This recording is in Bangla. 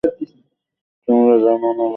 তোমরা জানো না বাইরে কী আছে।